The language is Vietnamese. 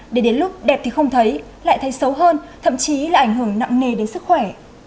để đến lúc đẹp thì không thấy lại thấy xấu hơn thậm chí là ảnh hưởng nặng nề đến sức khỏe